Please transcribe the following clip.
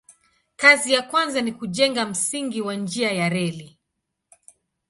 Kazi ya kwanza ni kujenga msingi wa njia ya reli.